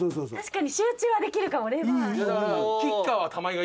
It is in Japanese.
確かに集中はできるかもレバーに。